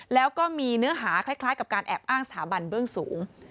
แล้วก็มีเนื้อหาคล้ายกับการแอบอ้างสถาบันเบื้องสูง